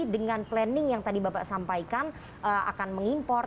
dengan planning yang tadi bapak sampaikan akan mengimpor